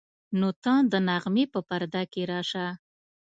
نو ته د نغمې په پرده کې راشه.